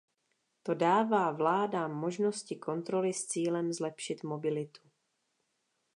To dává vládám možnosti kontroly s cílem zlepšit mobilitu.